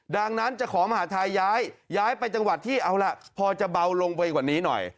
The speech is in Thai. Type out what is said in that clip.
ดังนั้นจะขอมหาทัยย้ายไปจังหวัดที่เอาล่ะพอจะเบาลงไปกว่านี้หน่อย